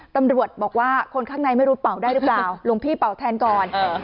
ตำรวจบอกว่าคนข้างในไม่รู้เป่าได้หรือเปล่าหลวงพี่เป่าแทนก่อน